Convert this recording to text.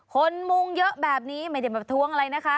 มุงเยอะแบบนี้ไม่ได้มาทวงอะไรนะคะ